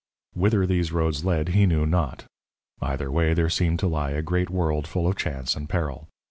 _ Whither these roads led he knew not. Either way there seemed to lie a great world full of chance and peril.